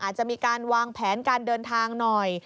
อาจจะมีการวางแผนการเดินทางหน่อย